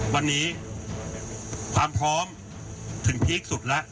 วันนี้ความพร้อมถึงพีคสุดแล้ว